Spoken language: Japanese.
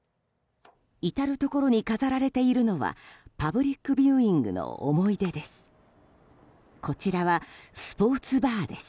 至るところに飾られているのはパブリックビューイングの思い出です。